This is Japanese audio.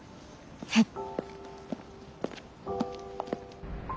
はい。